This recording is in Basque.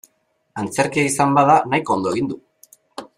Antzerkia izan bada nahiko ondo egin du.